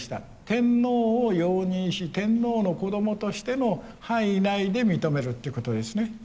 天皇を容認し天皇の子供としての範囲内で認めるということですね。